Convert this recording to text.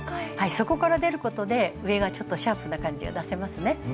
そこから出ることで上がちょっとシャープな感じが出せますね。